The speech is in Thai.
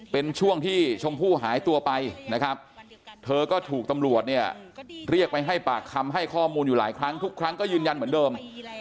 เป็นช่วงที่ชมพู่หายตัวไปนะครับเธอก็ถูกตำรวจเนี่ยเรียกไปให้ปากคำให้ข้อมูลอยู่หลายครั้งทุกครั้งก็ยืนยันเหมือนเดิม